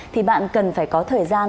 thì bạn cần phải có thời gian